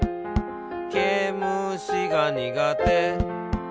「けむしがにがて」